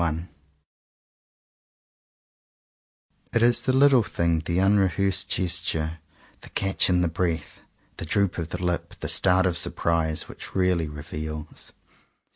I IT IS THE little thing, the unrehearsed gesture, the catch in the breath, the droopofthelip, the start of surprise, which really reveals.